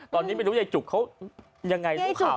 ตอนนี้ไม่รู้ยายจุกเขายังไงรู้ข่าว